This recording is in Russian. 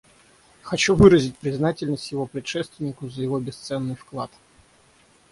Хочу выразить признательность его предшественнику за его бесценный вклад.